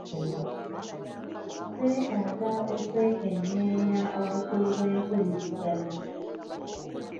Twetaaga okwekenneenya obukulu bw'empuliziganya.